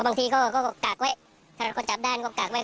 บางทีเขาก็กักไว้ถ้าเขาจับได้ก็กักไว้